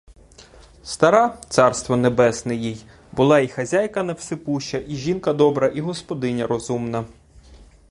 Стара, царство небесне їй, була і хазяйка невсипуща, і жінка добра, і господиня розумна.